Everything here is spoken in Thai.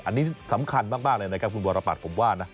อันนี้สำคัญมากเลยนะครับคุณวรปัตรผมว่านะ